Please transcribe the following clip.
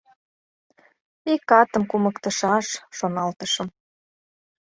«Ик атым кумыктышаш», — шоналтышым.